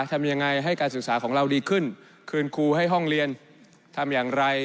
ทำยังไงให้การศึกษาของเราดีขึ้นคืนครูให้ห้องเรียนทำอย่างไร